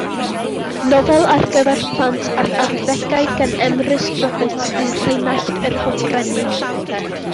Nofel ar gyfer plant a'r arddegau gan Emrys Roberts yw Rheinallt yr Hofrennydd.